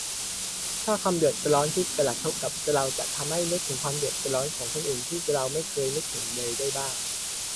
ถ้า 'ความเดือดร้อน' ที่กระทบกับเรา จะทำให้นึกถึงความเดือดร้อนของคนอื่นที่เราไม่เคยนึกถึงเลยได้บ้าง